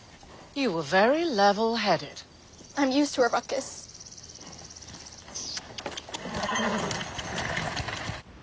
よし。